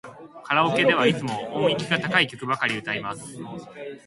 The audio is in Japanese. カラオケではいつも音域が高い曲ばかり歌います。